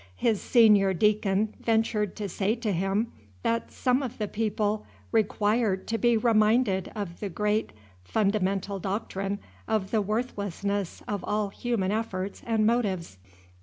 His senior deacon ventured to say to him that some of his people required to be reminded of the great fundamental doctrine of the worthlessness of all human efforts and motives.